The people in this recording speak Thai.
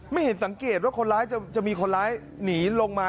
ไม่เห็นสังเกตว่าคนร้ายจะมีคนร้ายหนีลงมา